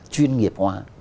chuyên nghiệp hóa